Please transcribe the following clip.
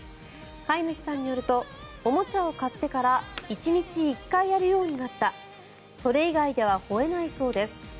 飼い主さんによるとおもちゃを買ってから１日１回やるようになったそれ以外ではほえないそうです。